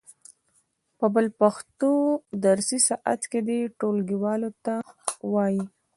په بل پښتو درسي ساعت کې دې ټولګیوالو ته و وایي.